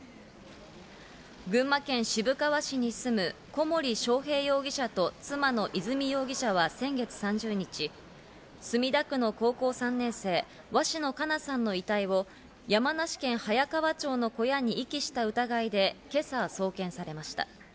群馬県渋川市に住む小森章平容疑者と妻の和美容疑者は先月３０日、墨田区の高校３年生、鷲野花夏さんの遺体を山梨県早川町の小屋に遺棄した疑いで今朝送検されました。